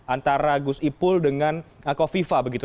antara gus ipul dengan kofifa begitu